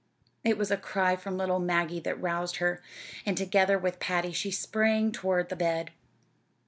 It was a cry from little Maggie that roused her, and together with Patty she sprang toward the bed.